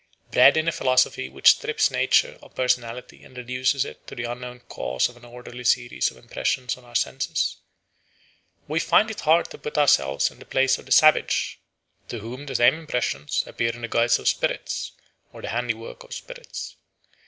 Bred in a philosophy which strips nature of personality and reduces it to the unknown cause of an orderly series of impressions on our senses, we find it hard to put ourselves in the place of the savage, to whom the same impressions appear in the guise of spirits or the handiwork of spirits.